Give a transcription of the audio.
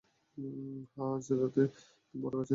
হ্যাঁ, আজ রাতে বড় গাছের নিচে এসো।